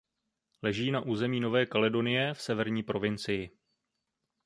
Leží na území Nové Kaledonie v Severní provincii.